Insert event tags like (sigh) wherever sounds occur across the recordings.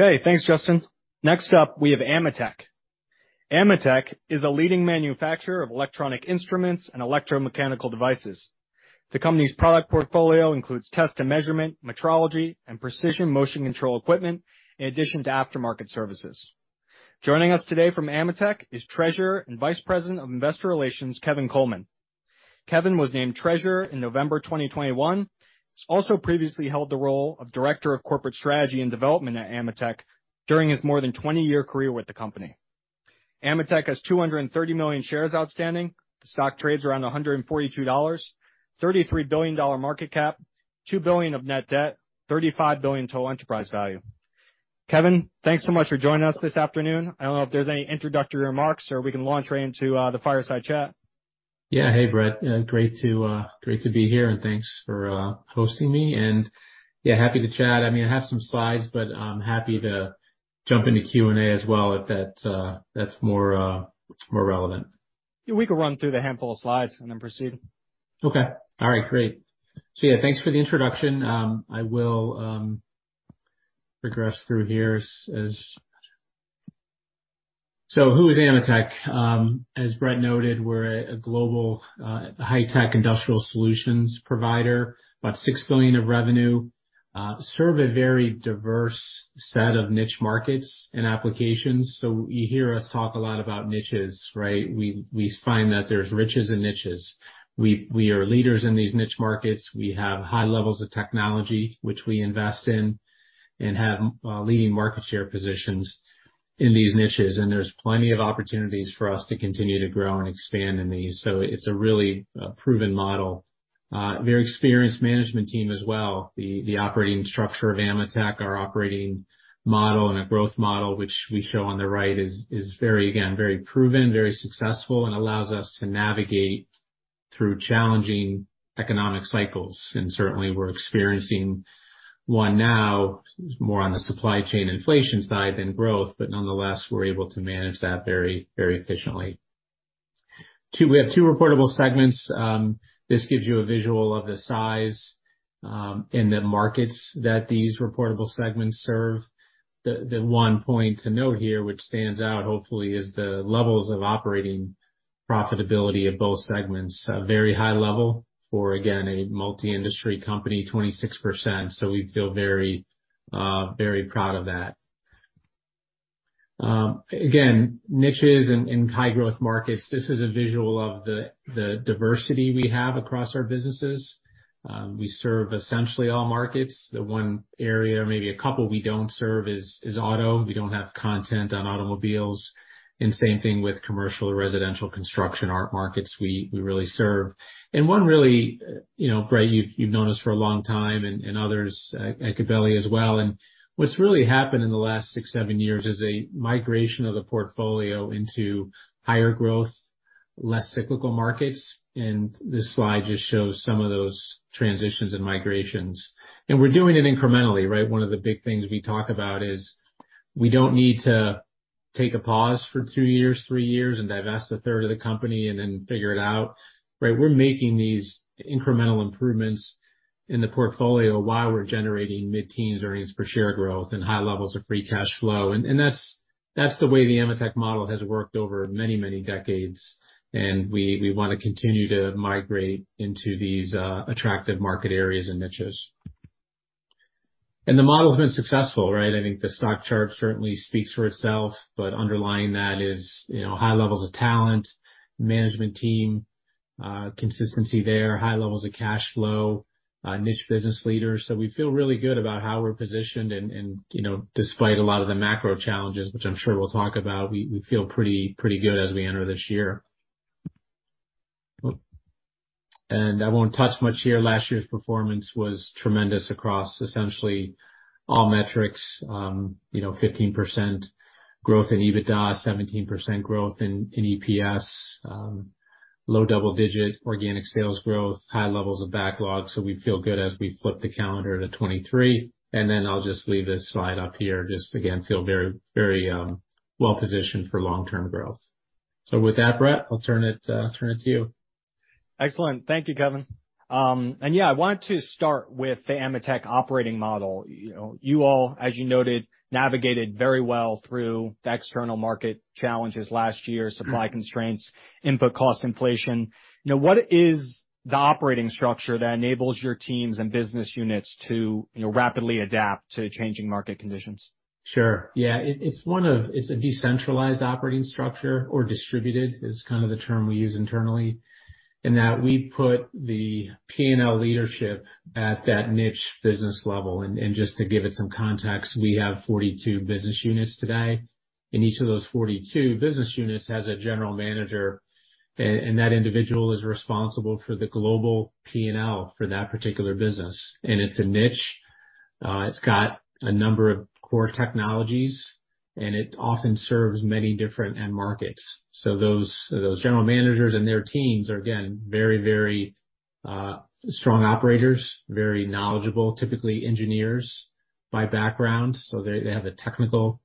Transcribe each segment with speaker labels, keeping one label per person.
Speaker 1: Okay, thanks, Justin. Next up, we have AMETEK. AMETEK is a leading manufacturer of electronic instruments and electromechanical devices. The company's product portfolio includes test and measurement, metrology, and precision motion control equipment, in addition to aftermarket services. Joining us today from AMETEK is Treasurer and Vice President of Investor Relations, Kevin Coleman. Kevin was named Treasurer in November 2021. He's also previously held the role of Director of Corporate Strategy and Development at AMETEK during his more than 20-year career with the company. AMETEK has 230 million shares outstanding. The stock trades around $142, a $33 billion market cap, $2 billion of net debt, and $35 billion total enterprise value. Kevin, thanks so much for joining us this afternoon. I don't know if there's any introductory remarks, or we can launch right into the fireside chat.
Speaker 2: Yeah, hey, Brett. Great to be here, and thanks for hosting me. Yeah, happy to chat. I mean, I have some slides, but I'm happy to jump into Q&A as well if that's more relevant.
Speaker 1: We can run through the handful of slides and then proceed.
Speaker 2: Okay. All right, great. Yeah, thanks for the introduction. I will progress through here as, so who is AMETEK? As Brett noted, we're a global high-tech industrial solutions provider, about $6 billion of revenue, serve a very diverse set of niche markets and applications. You hear us talk a lot about niches, right? We find that there's riches in niches. We are leaders in these niche markets. We have high levels of technology, which we invest in, and have leading market share positions in these niches. There's plenty of opportunities for us to continue to grow and expand in these. It's a really proven model. Very experienced management team as well. The operating structure of AMETEK, our operating model and a growth model, which we show on the right, is very, again, very proven, very successful, and allows us to navigate through challenging economic cycles. Certainly, we're experiencing one now, more on the supply chain inflation side than growth, but nonetheless, we're able to manage that very efficiently. We have two reportable segments. This gives you a visual of the size and the markets that these reportable segments serve. The one point to note here, which stands out, hopefully, is the levels of operating profitability of both segments. Very high level for, again, a multi-industry company, 26%. We feel very proud of that. Again, niches and high-growth markets. This is a visual of the diversity we have across our businesses. We serve essentially all markets. The one area, or maybe a couple we don't serve, is auto. We don't have content on automobiles. And same thing with commercial, residential, construction, art markets we really serve. One really, you know, Brett, you've known us for a long time, and others, (audio distortion) as well. What's really happened in the last six, seven years is a migration of the portfolio into higher growth, less cyclical markets. This slide just shows some of those transitions and migrations. We're doing it incrementally, right? One of the big things we talk about is we don't need to take a pause for two years, three years, and divest a third of the company and then figure it out, right? We're making these incremental improvements in the portfolio while we're generating mid-teens earnings per share growth and high levels of free cash flow. That's the way the AMETEK model has worked over many, many decades. We want to continue to migrate into these attractive market areas and niches. The model's been successful, right? I think the stock chart certainly speaks for itself, but underlying that is high levels of talent, management team, consistency there, high levels of cash flow, niche business leaders. We feel really good about how we're positioned. Despite a lot of the macro challenges, which I'm sure we'll talk about, we feel pretty good as we enter this year. I won't touch much here. Last year's performance was tremendous across essentially all metrics: 15% growth in EBITDA, 17% growth in EPS, low double-digit organic sales growth, high levels of backlog. We feel good as we flip the calendar to 2023. I'll just leave this slide up here, just again, feel very well-positioned for long-term growth. With that, Brett, I'll turn it to you.
Speaker 1: Excellent. Thank you, Kevin. Yeah, I wanted to start with the AMETEK operating model. You all, as you noted, navigated very well through the external market challenges last year: supply constraints, input cost inflation. What is the operating structure that enables your teams and business units to rapidly adapt to changing market conditions?
Speaker 2: Sure. Yeah. It's a decentralized operating structure or distributed, is kind of the term we use internally, in that we put the P&L leadership at that niche business level. Just to give it some context, we have 42 business units today. Each of those 42 business units has a general manager, and that individual is responsible for the global P&L for that particular business. It's a niche. It's got a number of core technologies, and it often serves many different end markets. Those general managers and their teams are, again, very, very strong operators, very knowledgeable, typically engineers by background. They have the technical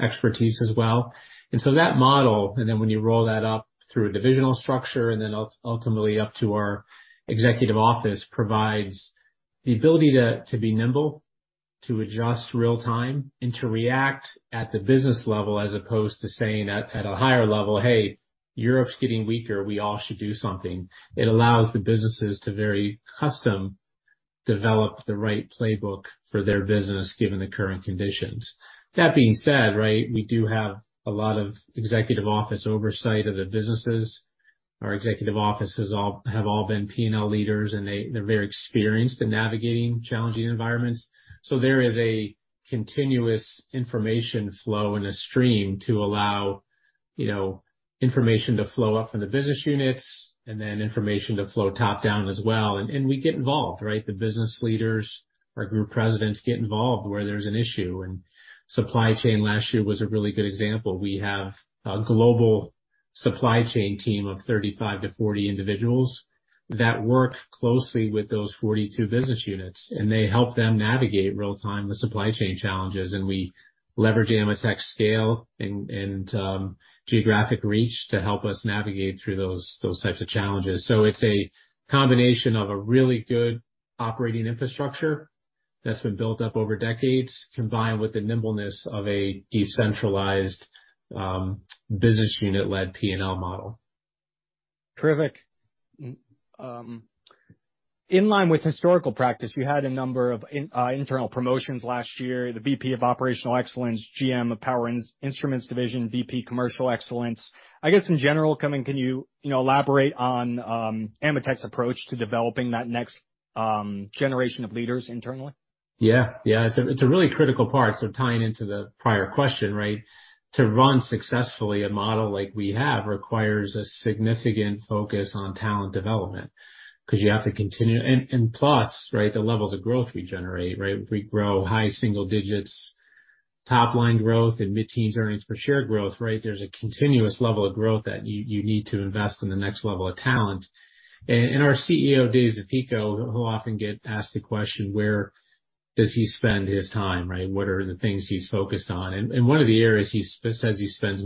Speaker 2: expertise as well. That model, and then when you roll that up through a divisional structure, and then ultimately up to our executive office, provides the ability to be nimble, to adjust real-time, and to react at the business level as opposed to saying at a higher level, "Hey, Europe's getting weaker. We all should do something." It allows the businesses to very custom develop the right playbook for their business given the current conditions. That being said, right, we do have a lot of executive office oversight of the businesses. Our executive offices have all been P&L leaders, and they're very experienced in navigating challenging environments. There is a continuous information flow and a stream to allow information to flow up from the business units and then information to flow top-down as well. We get involved, right? The business leaders, our group presidents get involved where there's an issue. Supply chain last year was a really good example. We have a global supply chain team of 35-40 individuals that work closely with those 42 business units. They help them navigate real-time the supply chain challenges. We leverage AMETEK's scale and geographic reach to help us navigate through those types of challenges. It is a combination of a really good operating infrastructure that's been built up over decades, combined with the nimbleness of a decentralized business unit-led P&L model.
Speaker 1: Terrific. In line with historical practice, you had a number of internal promotions last year: the VP of Operational Excellence, GM of Power and Instruments Division, VP Commercial Excellence. I guess in general, Kevin, can you elaborate on AMETEK's approach to developing that next generation of leaders internally?
Speaker 2: Yeah. It's a really critical part. Tying into the prior question, right? To run successfully a model like we have requires a significant focus on talent development because you have to continue. Plus, right, the levels of growth we generate, right? If we grow high single digits, top-line growth, and mid-teens earnings per share growth, right, there's a continuous level of growth that you need to invest in the next level of talent. Our CEO, Dave Zapico, will often get asked the question, "Where does he spend his time, right? What are the things he's focused on?" One of the areas he says he spends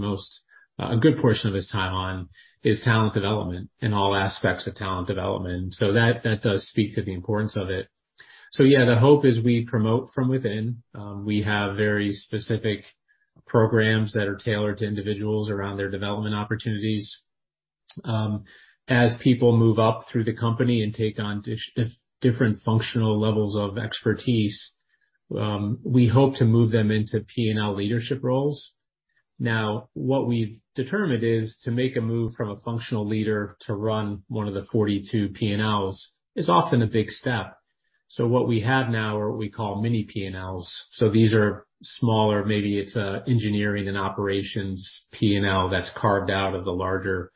Speaker 2: a good portion of his time on is talent development and all aspects of talent development. That does speak to the importance of it. Yeah, the hope is we promote from within. We have very specific programs that are tailored to individuals around their development opportunities. As people move up through the company and take on different functional levels of expertise, we hope to move them into P&L leadership roles. Now, what we've determined is to make a move from a functional leader to run one of the 42 P&Ls is often a big step. What we have now are what we call mini P&Ls. These are smaller, maybe it's an engineering and operations P&L that's carved out of the larger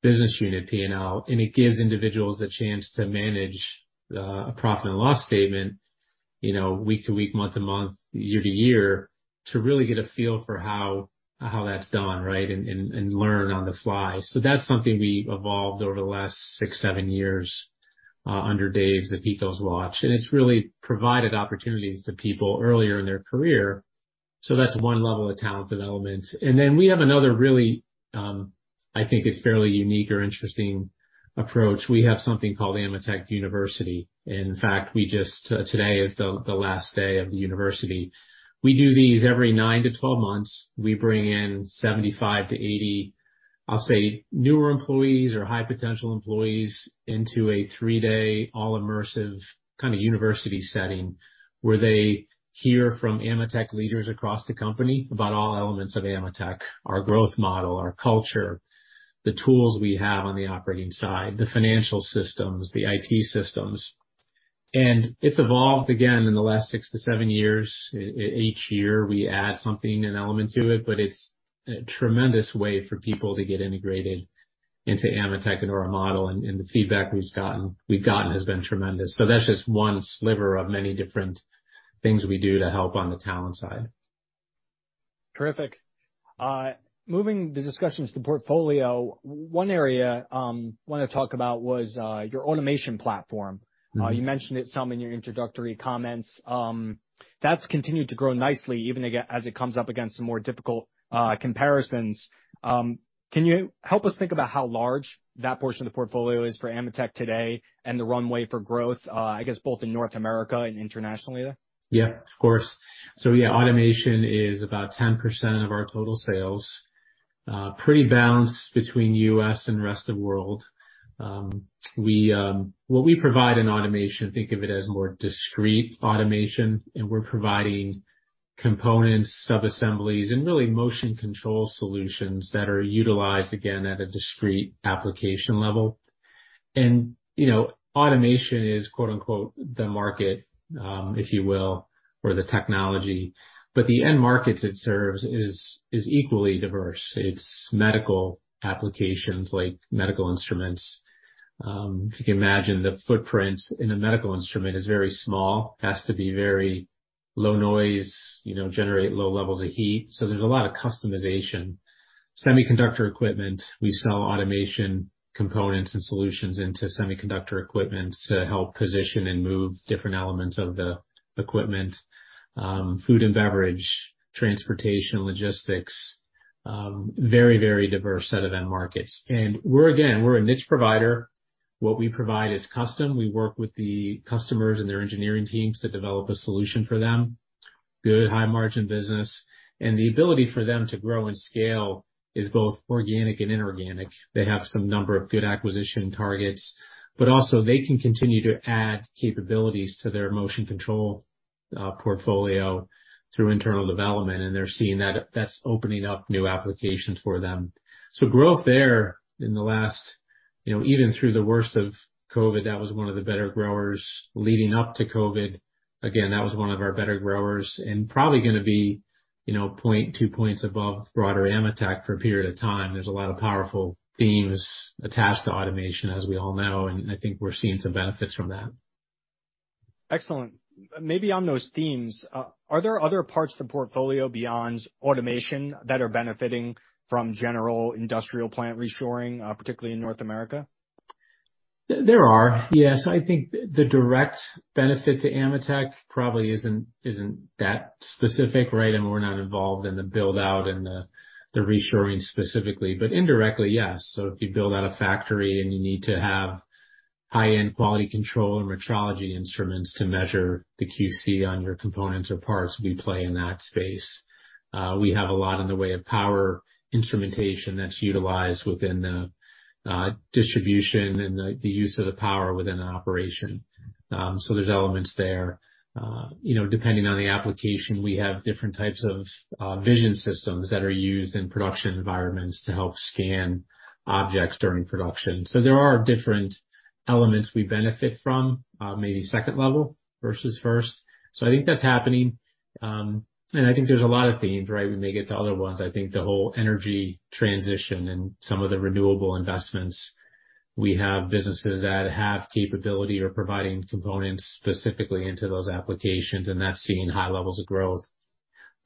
Speaker 2: business unit P&L. It gives individuals a chance to manage a profit and loss statement week to week, month to month, year-to-year, to really get a feel for how that's done, right, and learn on the fly. That's something we evolved over the last six, seven years under Dave Zapico's watch. It has really provided opportunities to people earlier in their career. That is one level of talent development. We have another really, I think, fairly unique or interesting approach. We have something called AMETEK University. In fact, today is the last day of the university. We do these every 9months-12 months. We bring in 75-80, I'll say, newer employees or high-potential employees into a three-day, all-immersive kind of university setting where they hear from AMETEK leaders across the company about all elements of AMETEK, our growth model, our culture, the tools we have on the operating side, the financial systems, the IT systems. It has evolved, again, in the last six to seven years. Each year, we add something, an element to it, but it is a tremendous way for people to get integrated into AMETEK and our model. The feedback we've gotten has been tremendous. That is just one sliver of many different things we do to help on the talent side.
Speaker 1: Terrific. Moving the discussion to the portfolio, one area I wanted to talk about was your automation platform. You mentioned it some in your introductory comments. That's continued to grow nicely even as it comes up against some more difficult comparisons. Can you help us think about how large that portion of the portfolio is for AMETEK today and the runway for growth, I guess, both in North America and internationally there?
Speaker 2: Yeah, of course. Yeah, automation is about 10% of our total sales, pretty balanced between the U.S. and the rest of the world. What we provide in automation, think of it as more discrete automation. We are providing components, subassemblies, and really motion control solutions that are utilized, again, at a discrete application level. Automation is, "the market," if you will, or the technology. The end markets it serves are equally diverse. It is medical applications like medical instruments. If you can imagine, the footprint in a medical instrument is very small. It has to be very low noise, generate low levels of heat. There is a lot of customization. Semiconductor equipment, we sell automation components and solutions into semiconductor equipment to help position and move different elements of the equipment. Food and beverage, transportation, logistics, very, very diverse set of end markets. We're a niche provider. What we provide is custom. We work with the customers and their engineering teams to develop a solution for them, good high-margin business. The ability for them to grow and scale is both organic and inorganic. They have some number of good acquisition targets, but also they can continue to add capabilities to their motion control portfolio through internal development. They're seeing that that's opening up new applications for them. Growth there in the last, even through the worst of COVID, that was one of the better growers. Leading up to COVID, that was one of our better growers and probably going to be two percentage points above broader AMETEK for a period of time. There are a lot of powerful themes attached to automation, as we all know. I think we're seeing some benefits from that.
Speaker 1: Excellent. Maybe on those themes, are there other parts of the portfolio beyond automation that are benefiting from general industrial plant reshoring, particularly in North America?
Speaker 2: There are, yes. I think the direct benefit to AMETEK probably isn't that specific, right? And we're not involved in the build-out and the reshoring specifically, but indirectly, yes. If you build out a factory and you need to have high-end quality control and metrology instruments to measure the QC on your components or parts, we play in that space. We have a lot in the way of power instrumentation that's utilized within the distribution and the use of the power within an operation. There's elements there. Depending on the application, we have different types of vision systems that are used in production environments to help scan objects during production. There are different elements we benefit from, maybe second level versus first. I think that's happening. I think there's a lot of themes, right? We may get to other ones. I think the whole energy transition and some of the renewable investments. We have businesses that have capability or providing components specifically into those applications, and that's seeing high levels of growth.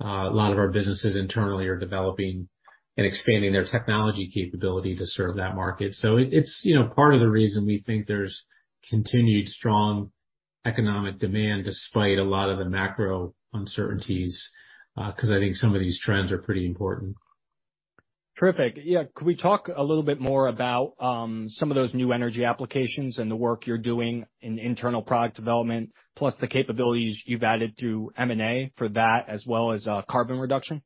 Speaker 2: A lot of our businesses internally are developing and expanding their technology capability to serve that market. It is part of the reason we think there's continued strong economic demand despite a lot of the macro uncertainties because I think some of these trends are pretty important.
Speaker 1: Terrific. Yeah. Could we talk a little bit more about some of those new energy applications and the work you're doing in internal product development, plus the capabilities you've added through M&A for that, as well as carbon reduction?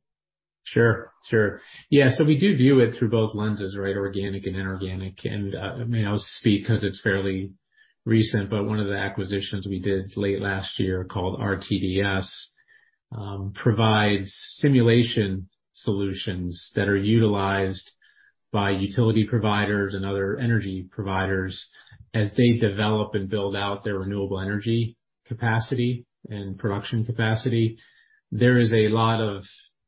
Speaker 2: Sure. Sure. Yeah. We do view it through both lenses, right? Organic and inorganic. I mean, I'll speak because it's fairly recent, but one of the acquisitions we did late last year called RTDS provides simulation solutions that are utilized by utility providers and other energy providers as they develop and build out their renewable energy capacity and production capacity. There is a lot of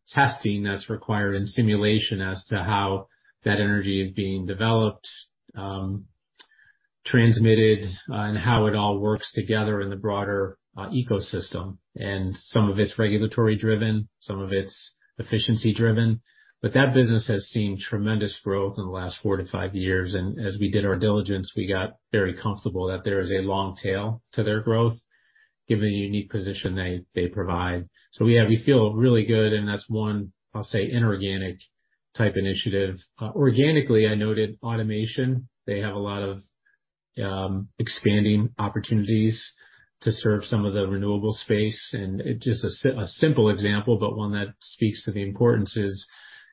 Speaker 2: testing that's required in simulation as to how that energy is being developed, transmitted, and how it all works together in the broader ecosystem. Some of it's regulatory-driven, some of it's efficiency-driven. That business has seen tremendous growth in the last four to five years. As we did our diligence, we got very comfortable that there is a long tail to their growth, given the unique position they provide. Yeah, we feel really good. That's one, I'll say, inorganic type initiative. Organically, I noted automation. They have a lot of expanding opportunities to serve some of the renewable space. Just a simple example, but one that speaks to the importance is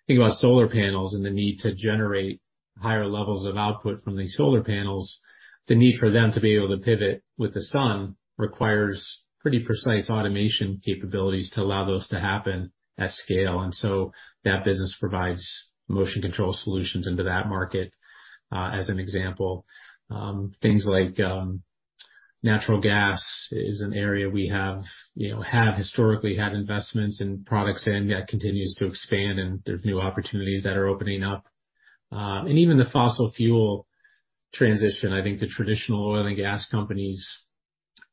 Speaker 2: thinking about solar panels and the need to generate higher levels of output from the solar panels. The need for them to be able to pivot with the sun requires pretty precise automation capabilities to allow those to happen at scale. That business provides motion control solutions into that market, as an example. Things like natural gas is an area we have historically had investments in products and that continues to expand. There are new opportunities that are opening up. Even the fossil fuel transition, I think the traditional oil and gas companies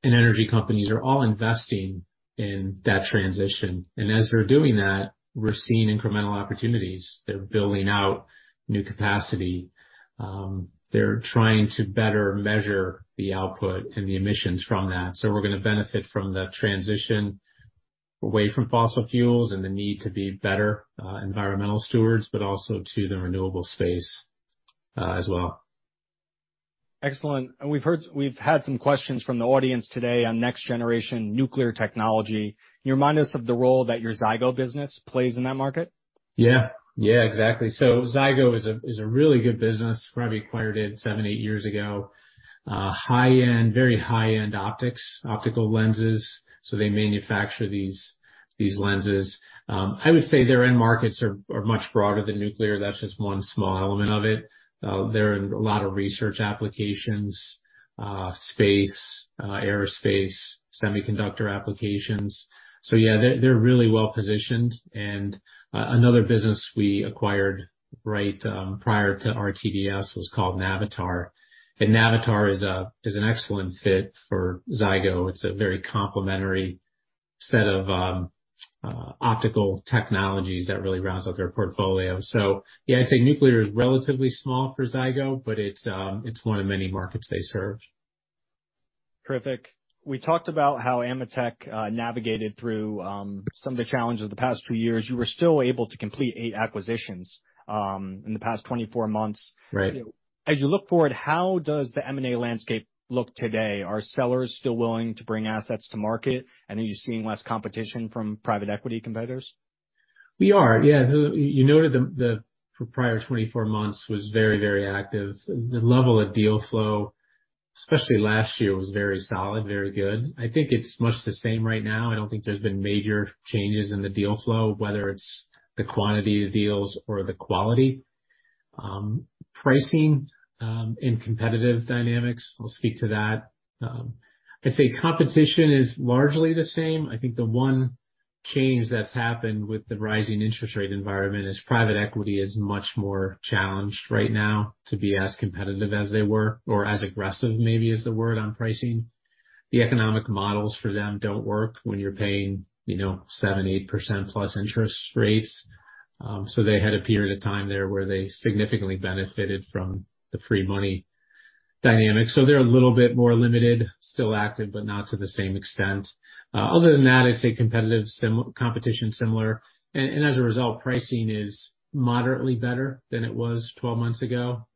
Speaker 2: and energy companies are all investing in that transition. As they're doing that, we're seeing incremental opportunities. They're building out new capacity. They're trying to better measure the output and the emissions from that. We're going to benefit from the transition away from fossil fuels and the need to be better environmental stewards, but also to the renewable space as well.
Speaker 1: Excellent. We have had some questions from the audience today on next-generation nuclear technology. Can you remind us of the role that your Zygo business plays in that market?
Speaker 2: Yeah. Yeah, exactly. Zygo is a really good business. Probably acquired it seven, eight years ago. High-end, very high-end optics, optical lenses. They manufacture these lenses. I would say their end markets are much broader than nuclear. That is just one small element of it. They are in a lot of research applications, space, aerospace, semiconductor applications. Yeah, they are really well positioned. Another business we acquired right prior to RTDS was called Navitar. Navitar is an excellent fit for Zygo. It is a very complementary set of optical technologies that really rounds out their portfolio. Yeah, I would say nuclear is relatively small for Zygo, but it is one of many markets they serve.
Speaker 1: Terrific. We talked about how AMETEK navigated through some of the challenges of the past two years. You were still able to complete eight acquisitions in the past 24 months. As you look forward, how does the M&A landscape look today? Are sellers still willing to bring assets to market? I know you're seeing less competition from private equity competitors.
Speaker 2: We are. Yeah. You noted the prior 24 months was very, very active. The level of deal flow, especially last year, was very solid, very good. I think it's much the same right now. I don't think there's been major changes in the deal flow, whether it's the quantity of deals or the quality. Pricing and competitive dynamics, I'll speak to that. I'd say competition is largely the same. I think the one change that's happened with the rising interest rate environment is private equity is much more challenged right now to be as competitive as they were or as aggressive, maybe, is the word on pricing. The economic models for them don't work when you're paying 7-8% plus interest rates. They had a period of time there where they significantly benefited from the free money dynamic. They're a little bit more limited, still active, but not to the same extent. Other than that, I'd say competition is similar. As a result, pricing is moderately better than it was 12 months ago,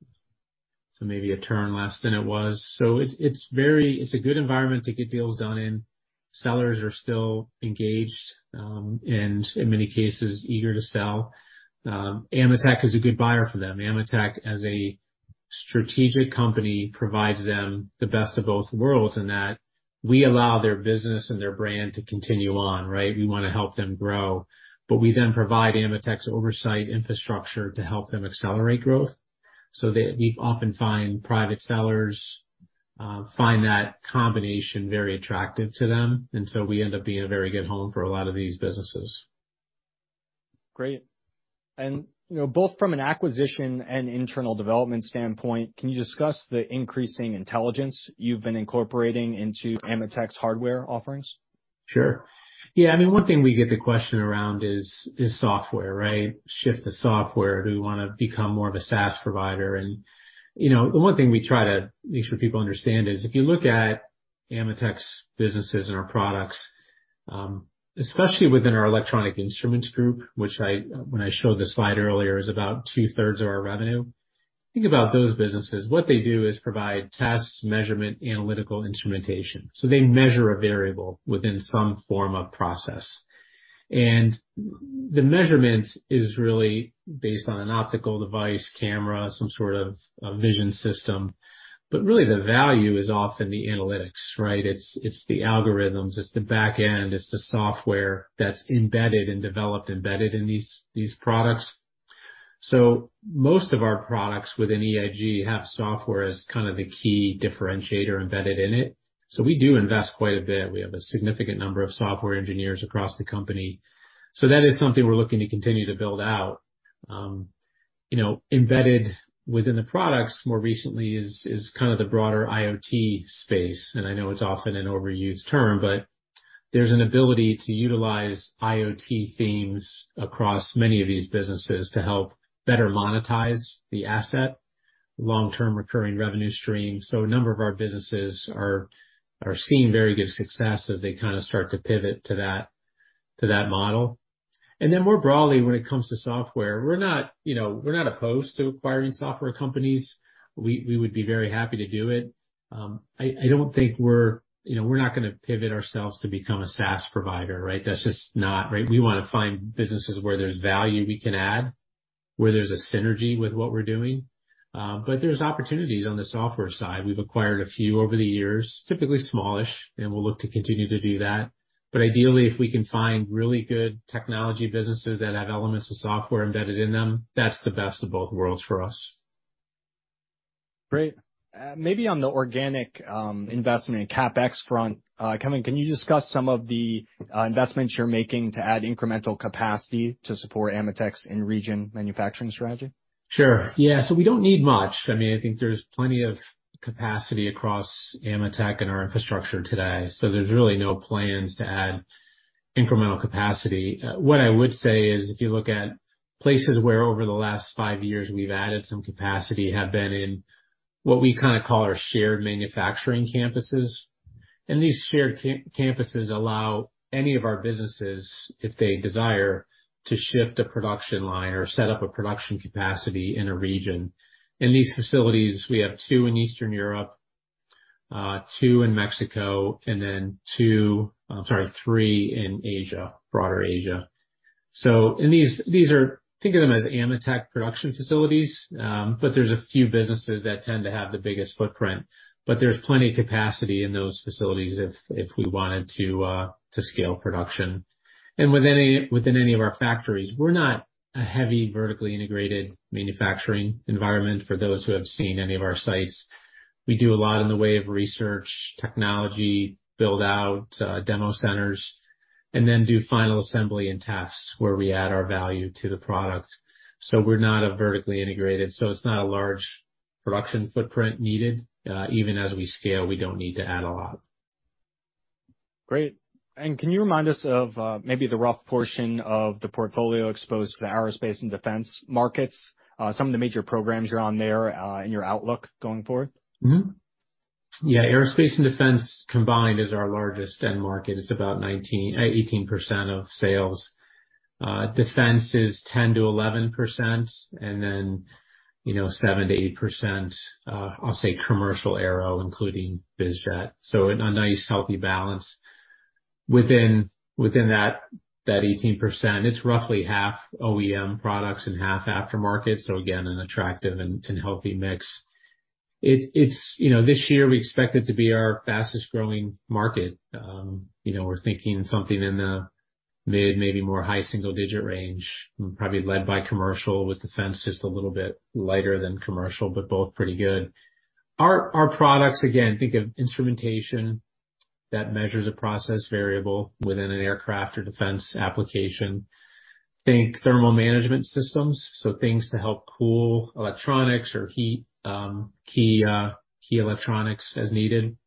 Speaker 2: so maybe a turn less than it was. It's a good environment to get deals done in. Sellers are still engaged and, in many cases, eager to sell. AMETEK is a good buyer for them. AMETEK, as a strategic company, provides them the best of both worlds in that we allow their business and their brand to continue on, right? We want to help them grow. We then provide AMETEK's oversight infrastructure to help them accelerate growth. We often find private sellers find that combination very attractive to them. We end up being a very good home for a lot of these businesses.
Speaker 1: Great. Both from an acquisition and internal development standpoint, can you discuss the increasing intelligence you've been incorporating into AMETEK's hardware offerings?
Speaker 2: Sure. Yeah. I mean, one thing we get the question around is software, right? Shift to software. Do we want to become more of a SaaS provider? The one thing we try to make sure people understand is if you look at AMETEK's businesses and our products, especially within our electronic instruments group, which when I showed the slide earlier is about two-thirds of our revenue, think about those businesses. What they do is provide tests, measurement, analytical instrumentation. They measure a variable within some form of process. The measurement is really based on an optical device, camera, some sort of vision system. Really, the value is often the analytics, right? It's the algorithms. It's the backend. It's the software that's embedded and developed, embedded in these products. Most of our products within EIG have software as kind of the key differentiator embedded in it. We do invest quite a bit. We have a significant number of software engineers across the company. That is something we're looking to continue to build out. Embedded within the products more recently is kind of the broader IoT space. I know it's often an overused term, but there's an ability to utilize IoT themes across many of these businesses to help better monetize the asset, long-term recurring revenue stream. A number of our businesses are seeing very good success as they kind of start to pivot to that model. More broadly, when it comes to software, we're not opposed to acquiring software companies. We would be very happy to do it. I don't think we're going to pivot ourselves to become a SaaS provider, right? That's just not, right? We want to find businesses where there's value we can add, where there's a synergy with what we're doing. There are opportunities on the software side. We've acquired a few over the years, typically smallish, and we'll look to continue to do that. Ideally, if we can find really good technology businesses that have elements of software embedded in them, that's the best of both worlds for us.
Speaker 1: Great. Maybe on the organic investment and CapEx front, Kevin, can you discuss some of the investments you're making to add incremental capacity to support AMETEK's in-region manufacturing strategy?
Speaker 2: Sure. Yeah. So we do not need much. I mean, I think there is plenty of capacity across AMETEK and our infrastructure today. There is really no plans to add incremental capacity. What I would say is if you look at places where over the last five years we have added some capacity have been in what we kind of call our shared manufacturing campuses. These shared campuses allow any of our businesses, if they desire, to shift a production line or set up a production capacity in a region. In these facilities, we have two in Eastern Europe, two in Mexico, and then three in Asia, broader Asia. These are, think of them as AMETEK production facilities, but there are a few businesses that tend to have the biggest footprint. There is plenty of capacity in those facilities if we wanted to scale production. Within any of our factories, we're not a heavy vertically integrated manufacturing environment for those who have seen any of our sites. We do a lot in the way of research, technology, build-out, demo centers, and then do final assembly and tests where we add our value to the product. We're not vertically integrated. It is not a large production footprint needed. Even as we scale, we do not need to add a lot.
Speaker 1: Great. Can you remind us of maybe the rough portion of the portfolio exposed to the aerospace and defense markets, some of the major programs you're on there, and your outlook going forward?
Speaker 2: Yeah. Aerospace and defense combined is our largest end market. It's about 18% of sales. Defense is 10%-11%, and then 7%-8%, I'll say commercial aero, including BizJet. So a nice healthy balance. Within that 18%, it's roughly half OEM products and half aftermarket. So again, an attractive and healthy mix. This year, we expect it to be our fastest-growing market. We're thinking something in the mid, maybe more high single-digit range, probably led by commercial with defense just a little bit lighter than commercial, but both pretty good. Our products, again, think of instrumentation that measures a process variable within an aircraft or defense application. Think thermal management systems, so things to help cool electronics or heat key electronics as needed.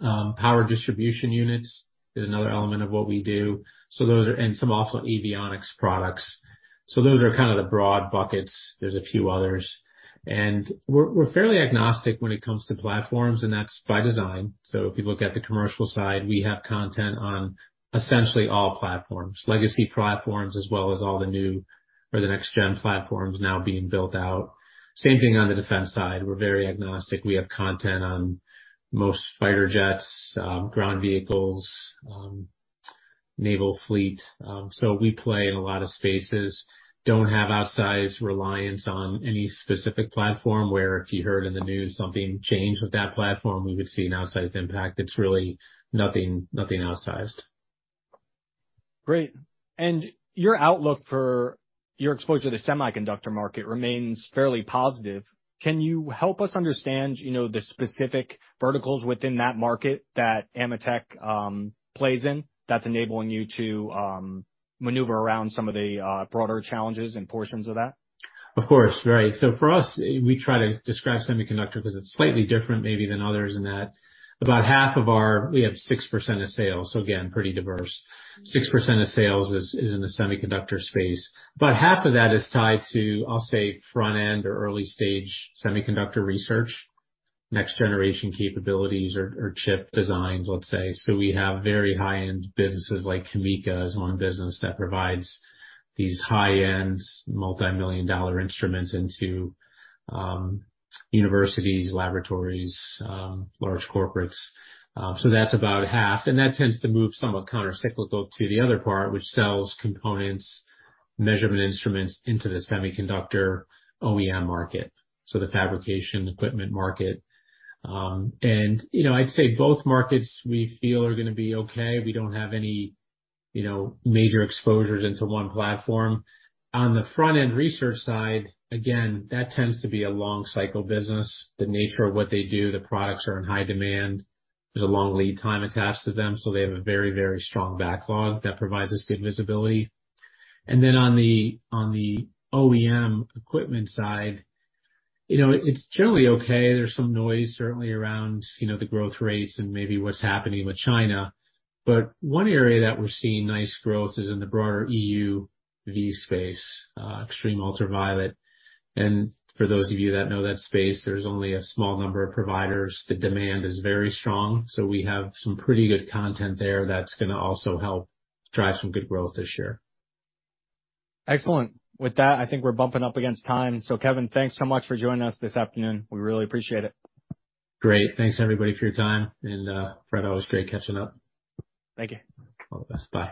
Speaker 2: Power distribution units is another element of what we do. And some also avionics products. So those are kind of the broad buckets. There's a few others. We're fairly agnostic when it comes to platforms, and that's by design. If you look at the commercial side, we have content on essentially all platforms, legacy platforms, as well as all the new or the next-gen platforms now being built out. Same thing on the defense side. We're very agnostic. We have content on most fighter jets, ground vehicles, naval fleet. We play in a lot of spaces. We do not have outsized reliance on any specific platform where if you heard in the news something changed with that platform, we would see an outsized impact. It's really nothing outsized.
Speaker 1: Great. Your outlook for your exposure to the semiconductor market remains fairly positive. Can you help us understand the specific verticals within that market that AMETEK plays in that's enabling you to maneuver around some of the broader challenges and portions of that?
Speaker 2: Of course. Right. For us, we try to describe semiconductor because it is slightly different maybe than others in that about half of our, we have 6% of sales. Again, pretty diverse, 6% of sales is in the semiconductor space. About half of that is tied to, I will say, front-end or early-stage semiconductor research, next-generation capabilities or chip designs, let's say. We have very high-end businesses like CAMECA is one business that provides these high-end multimillion-dollar instruments into universities, laboratories, large corporates. That is about half. That tends to move somewhat countercyclical to the other part, which sells components, measurement instruments into the semiconductor OEM market, the fabrication equipment market. I would say both markets we feel are going to be okay. We do not have any major exposures into one platform. On the front-end research side, again, that tends to be a long-cycle business. The nature of what they do, the products are in high demand. There is a long lead time attached to them. They have a very, very strong backlog that provides us good visibility. On the OEM equipment side, it is generally okay. There is some noise certainly around the growth rates and maybe what is happening with China. One area that we are seeing nice growth is in the broader EUV space, extreme ultraviolet. For those of you that know that space, there is only a small number of providers. The demand is very strong. We have some pretty good content there that is going to also help drive some good growth this year.
Speaker 1: Excellent. With that, I think we're bumping up against time. So Kevin, thanks so much for joining us this afternoon. We really appreciate it.
Speaker 2: Great. Thanks, everybody, for your time. And Fred, always great catching up.
Speaker 1: Thank you.
Speaker 2: All the best. Bye.